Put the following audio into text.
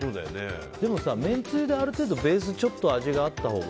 でも、めんつゆである程度ベースちょっと味があったほうが。